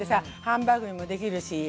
ハンバーグにもできるし。